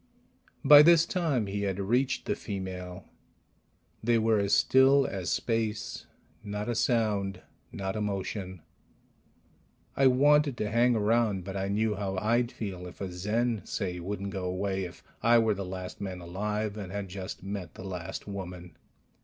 By this time he had reached the female. They were as still as space, not a sound, not a motion. I wanted to hang around, but I knew how I'd feel if a Zen, say, wouldn't go away if I were the last man alive and had just met the last woman.